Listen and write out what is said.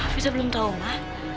vita belum tau ma